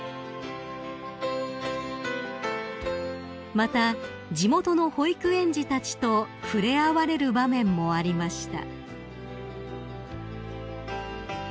［また地元の保育園児たちと触れ合われる場面もありました］